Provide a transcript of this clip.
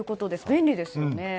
便利ですよね。